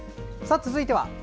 続いては？